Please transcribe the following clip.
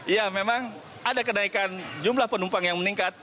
ya memang ada kenaikan jumlah penumpang yang meningkat